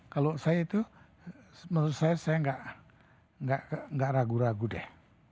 kalau saya itu menurut saya saya nggak ragu ragu deh